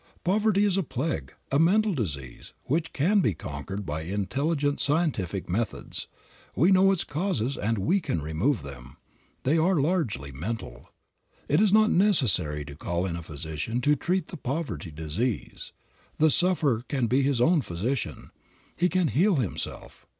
Poverty is a plague, a mental disease which can be conquered by intelligent scientific methods. We know its causes and we can remove them. They are largely mental. It is not necessary to call in a physician to treat the poverty disease. The sufferer can be his own physician. He can heal himself.